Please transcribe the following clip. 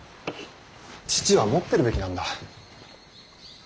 父は持ってるべきなんだ。